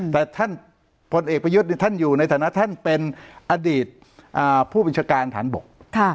แต่ท่านพลเอกประยุทธ์ท่านอยู่ในฐานะท่านเป็นอดีตผู้บัญชาการฐานบก